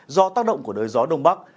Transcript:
do tác động của đôi gió đông bắc